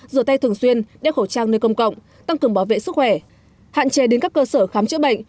rửa tay thường xuyên đeo khẩu trang nơi công cộng tăng cường bảo vệ sức khỏe hạn chế đến các cơ sở khám chữa bệnh